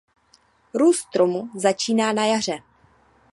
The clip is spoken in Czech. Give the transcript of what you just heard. Růst stromu začíná na jaře.